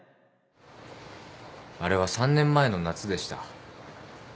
あれは３年前の夏でした。